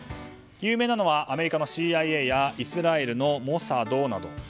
有名なのはアメリカのＣＩＡやイスラエルのモサドなど。